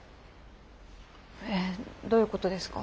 えどういうことですか？